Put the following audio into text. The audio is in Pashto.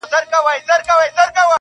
• سل سهاره جاروم له دې ماښامه..